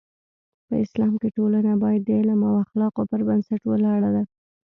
په اسلام کې ټولنه باید د علم او اخلاقو پر بنسټ ولاړه ده.